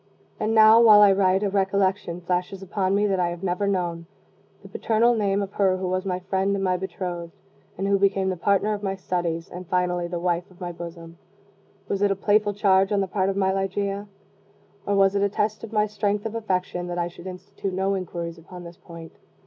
And now, while I write, a recollection flashes upon me that I have never known the paternal name of her who was my friend and my bethrothed, and who became the partner of my studies, and finally the wife of my bosom. Was it a playful charge on the part of my Ligeia? or was it a test of my strength of affection, that I should institute no inquiries upon this point?